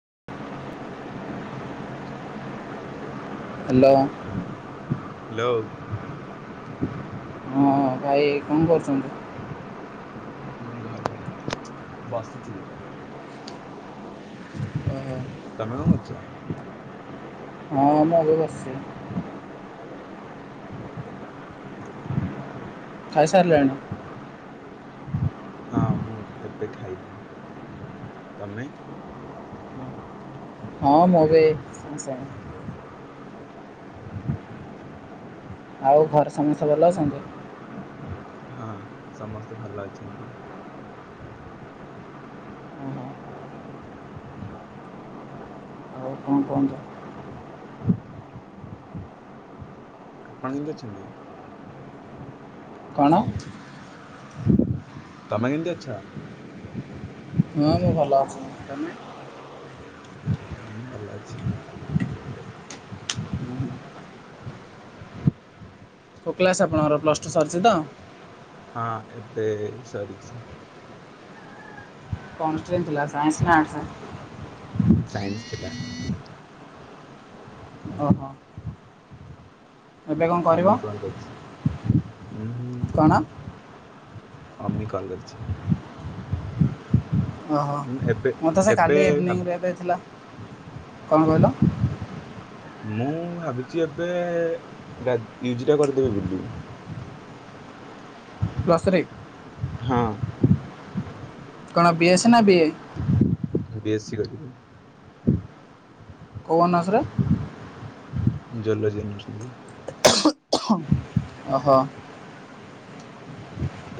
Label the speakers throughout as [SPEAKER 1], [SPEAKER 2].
[SPEAKER 1] [inaudible]
[SPEAKER 2] Hello.
[SPEAKER 1] Hello.
[SPEAKER 2] ହଁ ଭାଇ କଣ କରୁଛନ୍ତି?
[SPEAKER 1] ମୁଁ ଘରେ [inaudible] ବସିଛି।
[SPEAKER 2] ଓ ହୋ।
[SPEAKER 1] ତମେ କଣ କରୁଛ?
[SPEAKER 2] ହଁ ମୁଁ ବି ବସିଛି। ଖାଇ ସାରିଲେଣି?
[SPEAKER 1] ହଁ ମୁଁ ଏବେ ଖାଇଲି ତମେ?
[SPEAKER 2] ହଁ ମୁଁ ବି ସେମେ। ଆଉ ଘରେ ସମସ୍ତେ ଭଲ ଅଛନ୍ତି?
[SPEAKER 1] ହଁ ସମସ୍ତେ ଭଲ ଅଛନ୍ତି।
[SPEAKER 2] ଓହୋ। ଆଉ କଣ କୁହନ୍ତୁ?
[SPEAKER 1] ଆପଣ କେମିତି ଅଛନ୍ତି?
[SPEAKER 2] କଣ?
[SPEAKER 1] ତମେ କେମିତି ଅଛ?
[SPEAKER 2] ହଁ ମୁଁ ଭଲ ଅଛି ତମେ?
[SPEAKER 1] ହୁଁ ଭଲ ଅଛି।
[SPEAKER 2] କୋଉ କ୍ଲାସ୍ ଆପଣଙ୍କର ପ୍ଲସ୍ ଟୁ ସରିଛି ତ?
[SPEAKER 1] ହଁ ଏବେ ସରିଛି।
[SPEAKER 2] କ ଷ୍ଟ୍ରିମ ଥିଲା? ସାଇନ୍ସ ନା ଆର୍ଟ୍ସ?
[SPEAKER 1] ସାଇନ୍ସ ଥିଲା।
[SPEAKER 2] ଓହୋ। ଏବେ କଣ କରିବ?
[SPEAKER 1] ହଁମି କଣ କରୁଛି ଉଁ?
[SPEAKER 2] ନା।
[SPEAKER 1] ଅମି କଲ କରିଛି।
[SPEAKER 2] ଓହୋ
[SPEAKER 1] ଉଁ ଏବେ
[SPEAKER 2] ମୋତେ ସେ
[SPEAKER 1] ଏବେ
[SPEAKER 2] କାଲି
[SPEAKER 1] ଭାବ
[SPEAKER 2] ଇଭିନିଂରେ ଦେଇ ଥିଲା। କଣ କହିଲ?
[SPEAKER 1] ମୁଁ ଭାବିଛି ଏବେ ଗା ୟୁଜି ଟା କରିଦେବି ବୋଲି।
[SPEAKER 2] ପ୍ସ୍ ଥ୍ରୀ।
[SPEAKER 1] ହଁ।
[SPEAKER 2] କଣ ବିଏସ ନା ବିଏ?
[SPEAKER 1] ବି ଏସ୍ ସି କରିିବି।
[SPEAKER 2] କୋଉ ଅନର୍ସରେ?
[SPEAKER 1] ଜୁ ଲଜି ଅନର୍ସ।
[SPEAKER 2] ଓହୋ।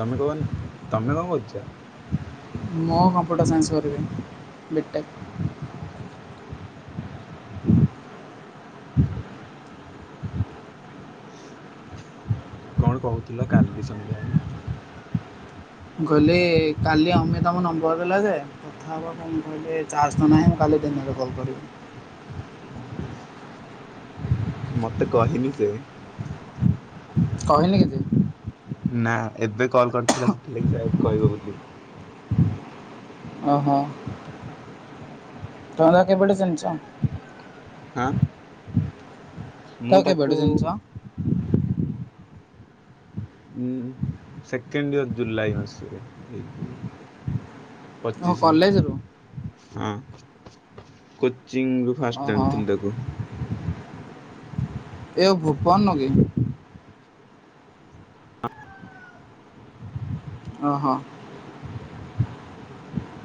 [SPEAKER 1] ତମେ କ ତମେ କଣ କରୁଛ?
[SPEAKER 2] ମୁଁ କମ୍ପ୍ୟୁଟର ସାଇନ୍ସ କରିବି ବିଟେକ୍।
[SPEAKER 1] କଣ କହୁଥିଲ କାଲି ସନ୍ଧ୍ୟା ହେ
[SPEAKER 2] ମୁଁ କହିଲି କାଲି ଅମୀ ତମ ନମ୍ବର ଦେଲା ଯେ କଥାପା କଣ କହିଲେ ଚାର୍ଜ ନ ନହିଁ ମୁଁ କାଲି ଦିନରେ କଲ କରିବି
[SPEAKER 1] ମତେ କହିନି ସେ
[SPEAKER 2] କହିନି କିଛି
[SPEAKER 1] ନା ଏବେ କଲ୍ କରିଥିଲା ସେଥିଲାଗି ସେ କହିବ ବୋଲି
[SPEAKER 2] ଓହୋ ତା କେବେତୂ ଚିହ୍ନୁଚ?
[SPEAKER 1] ହଁ
[SPEAKER 2] ତାକୁ କେବେଠୁ ଚିନଚ?
[SPEAKER 1] ଉଁ ସେକେଣ୍ଡ ଇୟର ଜୁଲାଇ ମାସରେ ଏଇଯଉ
[SPEAKER 2] ଓହୋ
[SPEAKER 1] ପଚିଶି
[SPEAKER 2] କଲେଜରୁ
[SPEAKER 1] ହଁ କୋଚିଂ ରୁ ଫାଷ୍ଟ
[SPEAKER 2] ଓହୋ
[SPEAKER 1] ଜାଣିଥିଲି ତାକୁ।
[SPEAKER 2] ଏ ଭୁପନ ନ କି?
[SPEAKER 1] ହଫ
[SPEAKER 2] ଓହୋ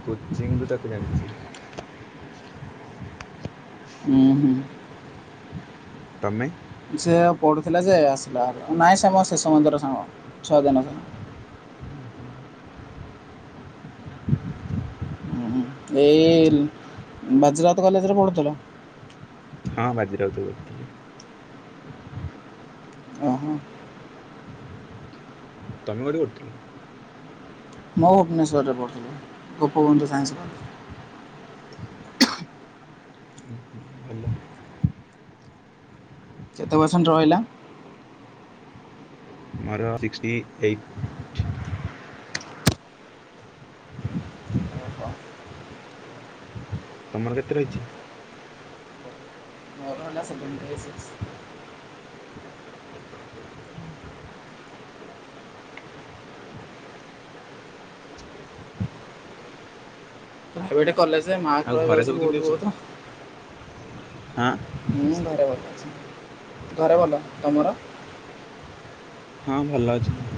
[SPEAKER 1] କୋଚିଂ ରୁ ତାକୁ ଜାଣିଛି
[SPEAKER 2] ହୁଁ ହୁଁ
[SPEAKER 1] ତମେ
[SPEAKER 2] ସେ ପଢ଼ୁଥିଲା ଯେ ଆସିଲା ନାଇଁ ସେ ମୋ ଶିଶୁ ମନ୍ଦିର ସାଙ୍ଗ ଛୁଅ ଦିନ ସାଙ୍ଗ
[SPEAKER 1] ଓହୋ
[SPEAKER 2] ଏଇ ବାଯିରାଉତ କଲେଜରେ ପଢ଼ୁଥିଲ
[SPEAKER 1] ହଁ ବାଜିରାଉତ କରୁଥିଲି।
[SPEAKER 2] ଓ ହୋ
[SPEAKER 1] ତମେ କୋଠି କରୁଥିଲ
[SPEAKER 2] ମୁଁ ଭୁବନେଶ୍ୱରରେ ପଡଥିଲି ଗୋପବନ୍ଧୁ ସାଇନ୍ସ
[SPEAKER 1] ଉହୁ ଭଲ
[SPEAKER 2] କେତେ ପରସେଣ୍ଟ ରହିଲା?
[SPEAKER 1] ମର ସିକ୍ଟି ଏଇଟ
[SPEAKER 2] ଓହୋ
[SPEAKER 1] ତମର କେତେ ରହିଛି?
[SPEAKER 2] ମୋର ହେଲା ସେଭେଣ୍ଟି ସିକ୍ସ ଏବେଠେ କଲେଜ ମାରକ୍
[SPEAKER 1] ଆଉ ଘରେ
[SPEAKER 2] ରହିଯାଉଛି
[SPEAKER 1] ସବୁ କେମିତି
[SPEAKER 2] ବହୁତ
[SPEAKER 1] ଅଛନ୍ତି?
[SPEAKER 2] ବହୁତ।
[SPEAKER 1] ହଁ
[SPEAKER 2] ହୁଁ ଘରେ ଭଲ ଅଛି ଘରେ ଭଲ ତମର?
[SPEAKER 1] ହଁ ଭଲ ଅଛନ୍ତି।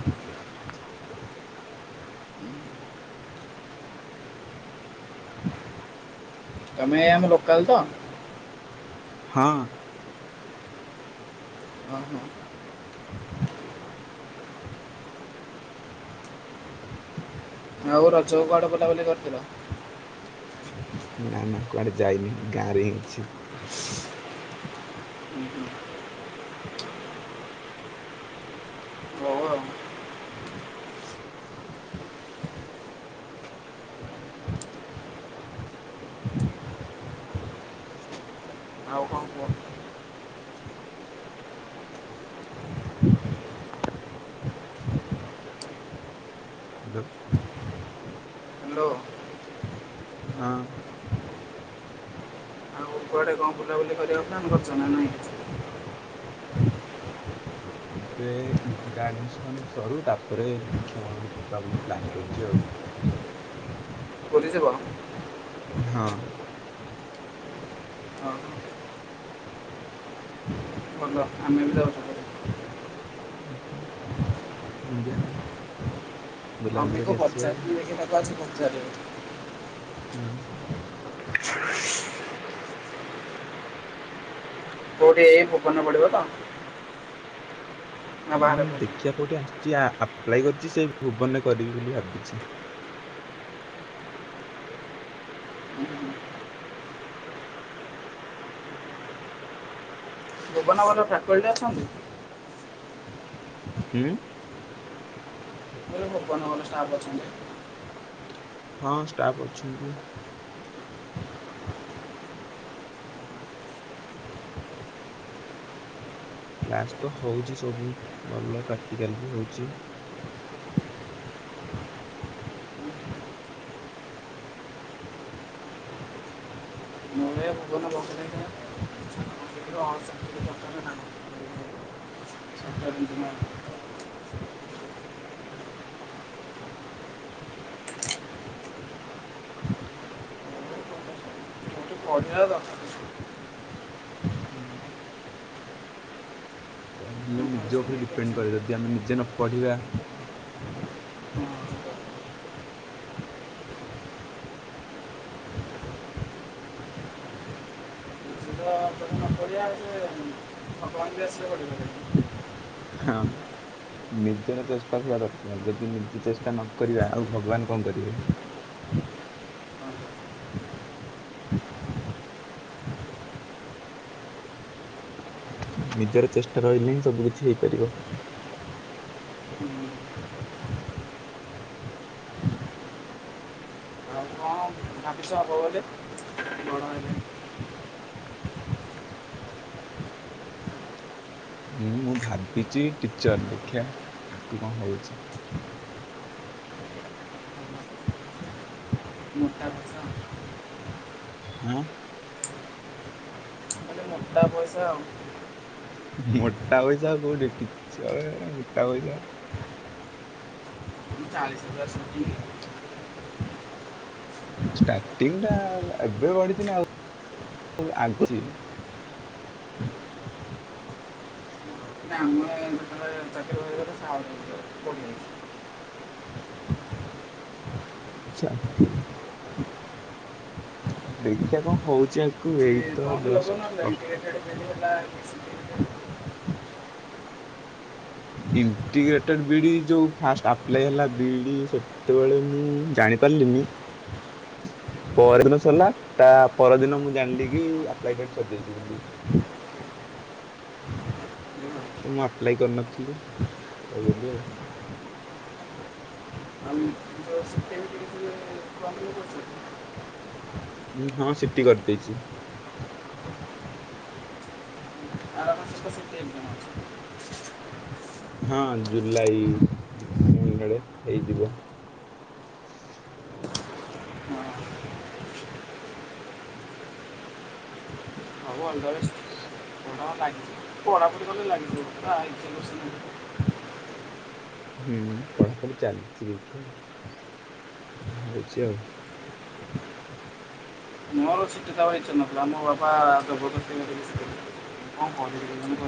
[SPEAKER 2] ତମେ ଆମ ଲୋକାଲ୍ ତ।
[SPEAKER 1] ହଁ
[SPEAKER 2] ହ ହୋ ଆଉ ରଜ କୁ କୁଆଡେ ବୁଲାବୁଲି କରିଥିଲ।
[SPEAKER 1] ନା ନା କୁଆଡେ ଯାଇନି ଗାଁ ରେ ହିଁ ଅଛି।
[SPEAKER 2] ହୁଁ ହୁଁ ହଉ ଆଉ ଆଉ କ'ଣ କୁହ
[SPEAKER 1] ଲୋ
[SPEAKER 2] ହ୍ୟାଲୋ
[SPEAKER 1] ହଁ
[SPEAKER 2] ଆଉ କୁଆଡ଼େ କଣ ବୁଲାବୁଲି କରିବା ପାଇଁ ପ୍ଲାନ୍ କରିଛି ନା ନାଇଁ।
[SPEAKER 1] ଏବେ ୟୁଜି ଟା ଆଡମିସନ ସରୁ ତାପରେ ଦେଖିବା କୁଆଡେ ଗୋଟେ ଯିବା ବୋଲି ପ୍ଲାନ୍ କରିଛି ଆଉ।
[SPEAKER 2] ପୁରି ଯିବ।
[SPEAKER 1] ହଁ
[SPEAKER 2] ହଁ ଭଲ ଆମେ ବି ଯାଉଛୁ। ପୁରୀ
[SPEAKER 1] ହ ହ ଯାଅ। ବୁଲାବୁଲି
[SPEAKER 2] ମମି
[SPEAKER 1] କରି
[SPEAKER 2] କୁ
[SPEAKER 1] ଆସିବା ଆଉ।
[SPEAKER 2] ପଚାରିବି ଦେଖିକି ତାକୁ ଅଜି ପଚାରେ
[SPEAKER 1] ହୁଁ
[SPEAKER 2] [inaudible] କୋଉଠି ଏ ଭୁବନ ରେ ପଡିବ ତ। ନା
[SPEAKER 1] ହୁଁ
[SPEAKER 2] ବାହାରେ
[SPEAKER 1] ଦେଖିବା କୋଉଠି ଆସିଛି ଆପ୍ଲାଏ କରିଛି ସେ ଭୁବନରେ କରିବି ବୋଲି ଭାବିଛି।
[SPEAKER 2] ଭୁବନ ର ଭଲ ଫ୍ୟାକ୍ଲଟି ଅଛନ୍ତି?
[SPEAKER 1] ଉଁ।
[SPEAKER 2] ମୁଁ ଭୁବନ ରେ ଭଲ ଷ୍ଟାର୍ପ ଅଛନ୍ତି?
[SPEAKER 1] ହଁ ଷ୍ଟାଫ ଅଛନ୍ତି। କ୍ଲାସ ତ ହଉଛି ସବୁ ଭଲ ପ୍ରାକ୍ଟିକାଲ ବି ହଉଛି।
[SPEAKER 2] ମୂଳେ ଭୁବନ ବଗିଚାରେ ସଂସ୍କୃତିର ଅସଂସ୍କୃତି ଦରକାର ନାହିଁ
[SPEAKER 1] ହୁଁ
[SPEAKER 2] [inaudible] ପଢ଼ିବା ଦରକ
[SPEAKER 1] ହଁ।
[SPEAKER 2] ନ
[SPEAKER 1] ପଢିଲେ ନିଜ ଉପରେ ଡିପେଣ୍ଡ କରେ ଯଦି ଆମେ ନିଜେ ନ ପଢିବା
[SPEAKER 2] [unintelligible] ଭଗବାନ୍ ବି ଆସିଲେ ପଢେଇ ପାରିବେନି।
[SPEAKER 1] ହଁ। ନିଜର ଚେଷ୍ଟା ଥିବା ଦରକାର ଯଦି ନିଜେ ଚେଷ୍ଟା ନକରିବା ଆଉ ଭଗବାନ କଣ କରିବେ। ନିଜର ଚେଷ୍ଟା ରହିଲେ ହିଁ ସବୁ କିଛି ହେଇପାରିବ।
[SPEAKER 2] ଆଉ କଣ। ଆଣ୍ଠୁଆ ଵଳଦେବ୍। [inaudible]
[SPEAKER 1] ହୁଁ ମୁଁ ଭାବିଛି ଟିଚର ଦେଖିବା ଆଗକୁ କଣ ହଉଛି।
[SPEAKER 2] [inaudible]
[SPEAKER 1] ହଁ।
[SPEAKER 2] ମୋଟ ପଇସା ଆଉ
[SPEAKER 1] ମୋଟା ପଇସା କୋଉଠି ଟିଚର ମୋଟା ପଇସା।
[SPEAKER 2] ପୁରା ସୂଜିବି।
[SPEAKER 1] ଷ୍ଟାର୍ଟିଂ ଟା ଏବେ ବଢିଛି ନା ଆଉ ଆଗୁଛି। [inaudible]
[SPEAKER 2] [unintelligible] [unintelligible]
[SPEAKER 1] ଚାକିରି। ଦେଖିବା କଣ ହଉଛି ଆଗକୁ ଏଇ
[SPEAKER 2] ଯେ
[SPEAKER 1] ତ
[SPEAKER 2] କମ୍
[SPEAKER 1] ଜଷ୍ଟ
[SPEAKER 2] ଲଗାଉନଥିଲା
[SPEAKER 1] ପ୍ଲସ ଟୁ।
[SPEAKER 2] [unintelligible]
[SPEAKER 1] ଇଣ୍ଟିଗ୍ରେଟେଡ ବିଡି ଯୋଉ ଫାଷ୍ଟ ଆପ୍ଲାଏ ହେଲା ବିଡି ସେ ସେତେବେଳେ ମୁଁ ଜାଣି ପାରିଲିନି ପର ଦିନ ସରିଲା ତା ପରଦିନ ମୁଁ ଜାଣିଲି କି ଆପ୍ଲାଏ ଡେଟ୍ ସରି ଯାଇଛି ବୋଲି। ତ ମୁଁ ଆପ୍ଲାଇ କରିନଥିଲି ରହିଗଲି ଆଉ।
[SPEAKER 2] ଆମେ ତ ସିଭିଲ ଡ୍ୟୁଟି
[SPEAKER 1] ଉଁ ହଁ ସିଟି କରିଦେଇଛି।
[SPEAKER 2] [unintelligible]
[SPEAKER 1] ହଁ ଜୁଲାଇ ତିନ ରେ ହେଇଯିବ।
[SPEAKER 2] [inaudible] ହଁ
[SPEAKER 1] [inaudible]
[SPEAKER 2] [unintelligible] ପଢ଼ାପଢ଼ି କଲେ ଲାଗିଯିବ [unintelligible]
[SPEAKER 1] ହୁଁ ପଢାପଢି ଚାଲିଛି ଦେଖିବା ହଉଚି ଆଉ।
[SPEAKER 2] ସିଟି ଦବାକୁ ଇଚ୍ଛା ନଥିଲା ମୋ ବାପା ଜବରଦସ୍ତି [unintelligible] କହୁ [unintelligible]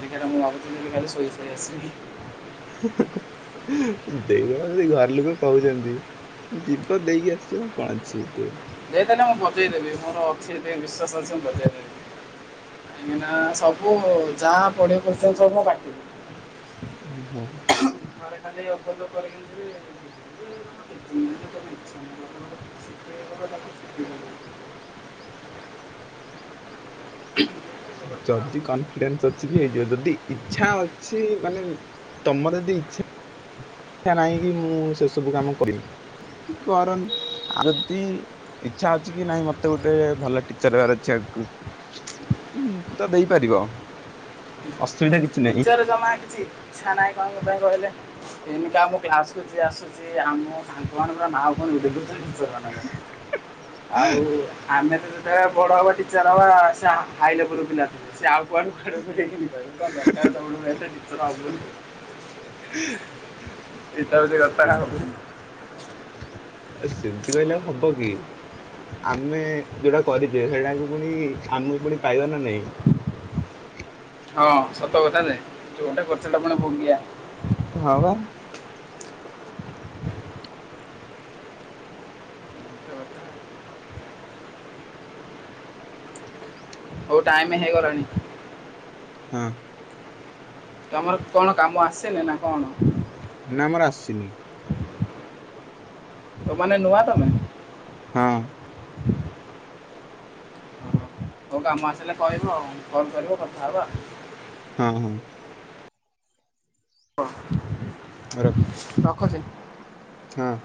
[SPEAKER 2] ସେଇଟା ମୁଁ ଭାବୁ ଥିଲି କି ଖାଲି ଶୋଇ ଶୋଇ ଆସିିବି।
[SPEAKER 1] ଦେଇଦିଅ ଯଦି ଘର ଲୋକ କହୁଛନ୍ତି। ଯିବ ଦେଇକି ଆସିବ କଣ ଅଛି ସେଥିରେ।
[SPEAKER 2] ଦେଇ ଦେଲେ ମୁଁ ବଜେଇଦେବି ମୋର ଅଛି ଏଥି ପାଇଁ ବିଶ୍ୱାସ ଅଛି ମୁଁ ବଜାଇଦେବି। କାହିଁକି ନା ସବୁ ଯାହା ପଢିବ କ୍ୱେଶ୍ଚିନ ସବୁ ମୋ ପାଟିରେ।
[SPEAKER 1] ଓ ହୋ।
[SPEAKER 2] ଏ ଖାଲି ଅବେଗ କରିକି ଆଣିଥିଲି [unintelligible] [inaudible]
[SPEAKER 1] ଯଦି କନଫିଡେନ୍ସ ଅଛି କି ହେଇଯିବ ଯଦି ଇଚ୍ଛା ଅଛି ମାନେ। ତମର ଯଦି ଇଚ୍ଛା। ନାହିଁ କି ମୁଁ ସେ ସବୁ କାମ କରିମି କରନି ଆ ଯଦି। ଇଚ୍ଛା ଅଛି କି ନାଇଁ ମତେ ଗୋଟେ ଭଲ ଟିଚର ହେବାର ଅଛି ଆଗକୁ। ଉଁ ଉଁ ତ ଦେଇପାରିବ। ଅସୁବିଧା କିଛ
[SPEAKER 2] ଟିଚର ଜମା କିଛି ଇଚ୍ଛା ନାହିଁ କଣ ପାଇଁ କହିଲେ। ! ! ! ! ! ! ! ! ! ! [unintelligible] ମାନଙ୍କ ପାଇଁ ଆଉ ଆମେ ତ ସେ ବଡ ହବ ଟିଚର ହବା ସେ ଆ ହାଇ ଲେବୁଲୁ ପିଲା ଥିଲେ ସେ ଆଉ କୁଆଡୁ କୁଆଡୁ [unintelligible] ତାହେଲେ ସବୁଠୁ ବେଷ୍ଟେ ଟିଚର ହବୁନି। ଏଇଟା ହଉଛି କଥା ଆଉ
[SPEAKER 1] କେମିତି କ [unintelligible] ଆ ସେମିତି କହିଲେ ହବ କି। ଆମେ ଯୋଉଟା କରିଛେ ସେଇଟାକୁ ପୁଣି ଆମେ ପୁଣି ପାଇବା ନା ନାଇଁ।
[SPEAKER 2] ହଁ ସତ କଥା ଯେ ଯୋଉଟା କରିଚେ ସେଟା ପୁଣି ଭୋଗିଆ।
[SPEAKER 1] ହଁ ବା।
[SPEAKER 2] ହଉ ଟାଇମ ହେଇଗଲାଣି।
[SPEAKER 1] ହଁ।
[SPEAKER 2] ତମର କଣ କାମ ଆସିନି ନା କଣ?
[SPEAKER 1] ନା ମୋର ଆସିନି।
[SPEAKER 2] ତ ମାନେ ନୂଆ ତମେ?
[SPEAKER 1] ହଁ।
[SPEAKER 2] ହଉ କାମ ଆସିଲେ କହିବ ଆଉ କଲ କରିବ କଥା ହବା।
[SPEAKER 1] ହଁ ହଁ। ରଖ।
[SPEAKER 2] ରଖୁଛି।
[SPEAKER 1] ହଁ।